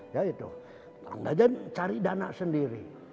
tarung deraja cari dana sendiri